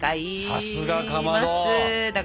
さすがかまど！